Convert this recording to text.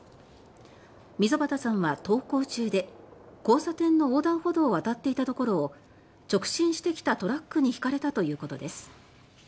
溝端さんは、登校中で交差点の横断歩道を渡っていたところを直進してきたトラックにひかれたということです。